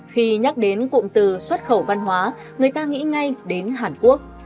khi nhắc đến cụm từ xuất khẩu văn hóa người ta nghĩ ngay đến hàn quốc